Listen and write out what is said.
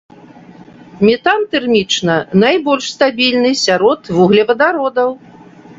Метан тэрмічна найбольш стабільны сярод вуглевадародаў.